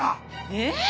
えっ？